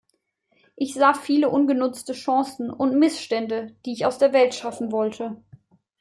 Ich sah viele ungenutzte Chancen und Missstände, die ich aus der Welt schaffen wollte.